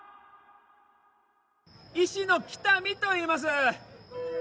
医師の喜多見といいます